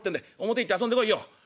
表行って遊んでこいよ」。